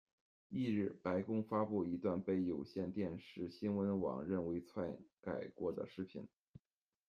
翌日，白宫发布一段被有线电视新闻网认为篡改过的视频。